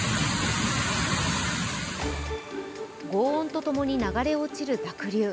ごう音とともに流れ落ちる濁流。